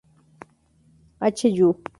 H. Yu.